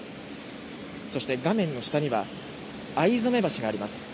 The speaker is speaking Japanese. そして、画面の下には逢初橋があります。